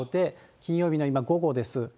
金曜日の今、午後です。